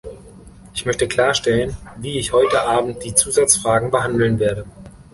Ich möchte klarstellen, wie ich heute Abend die Zusatzfragen behandeln werde.